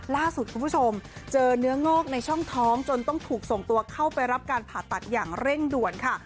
ล่าสุดคุณผู้ชมเจอเนื้องอกในช่องท้องจนต้องถูกส่งตัวเข้าไปรับการผ่าตัดอย่างเร่งด่วนค่ะ